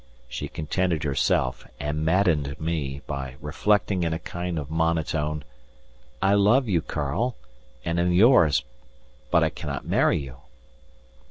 She contented herself and maddened me by reflecting in a kind of monotone: "I love you, Karl! and am yours, but I cannot marry you."